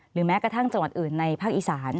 แม้กระทั่งจังหวัดอื่นในภาคอีสาน